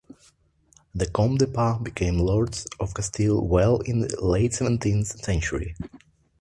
The Comtes de Pas became lords of Kasteel Well in the late seventeenth century.